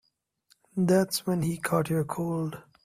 That's when he caught your cold.